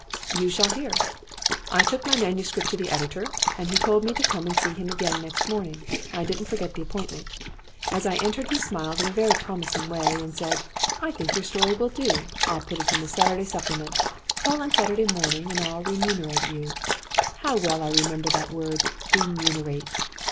'You shall hear. I took my manuscript to the editor, and he told me to come and see him again next morning. I didn't forget the appointment. As I entered he smiled in a very promising way, and said, "I think your story will do. I'll put it into the Saturday supplement. Call on Saturday morning and I'll remunerate you." How well I remember that word "remunerate"!